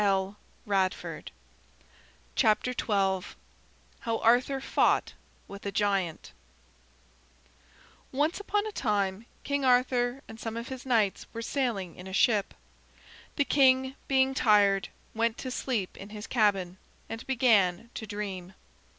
[Illustration: The Holy Grail] HOW ARTHUR FOUGHT WITH A GIANT Once upon a time King Arthur and some of his knights were sailing in a ship. The king, being tired, went to sleep in his cabin, and began to dream.